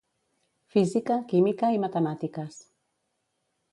Física, química i matemàtiques.